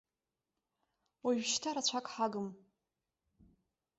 Ожәшьҭа рацәак ҳагым.